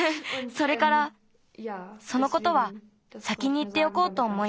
それからそのことは先にいっておこうとおもいました。